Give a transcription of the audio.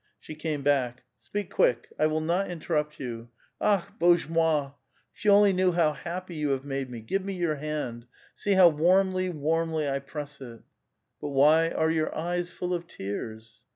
She came back. ''Speak quick! I will not interrupt you. Akh^ bozhe moil i'if you only knew how happy you have made me 1 Give me j'our hand ! See how wannlj*, warmly, I press it !"" But why are your eyes full of tears?"